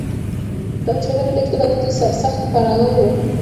د مجرمینو لېږد د بندېدو سرسخت پلوی و.